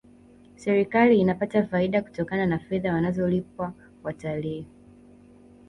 serikali inapata faida kutokana na fedha wanazolipwa watalii